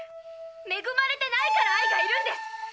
めぐまれてないから愛がいるんです！